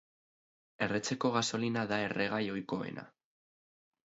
Erretzeko gasolina da erregai ohikoena.